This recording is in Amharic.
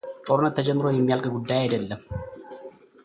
ጦርነት ተጀምሮ የሚያልቅ ጉዳይ አይደለም።